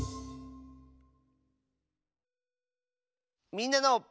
「みんなの」。